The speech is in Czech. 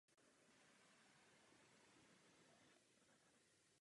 Je to údolní niva rozkládající se okolo malého potoka.